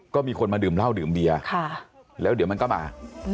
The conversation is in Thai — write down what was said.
ก็มีคนมาดื่มเหล้าดื่มเบียร์แล้วเดี๋ยวมันก็มา